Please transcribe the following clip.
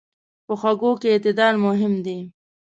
په خوږو کې اعتدال مهم دی.